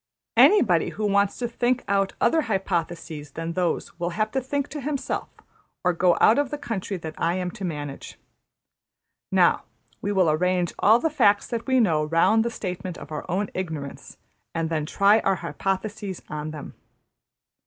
Anybody who wants to think out other hypotheses than those will have to think to himself, or go out of the country that I am to manage. ``Now we will arrange all the facts that we know round the statement of our own ignorance; and then try our hypotheses on them.